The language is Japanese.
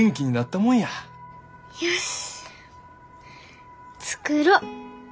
よし作ろ！